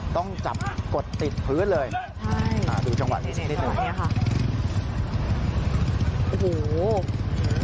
ต้องจับกดติดพื้นเลยใช่ดูจังหวะนี้จังหวะนี้ค่ะ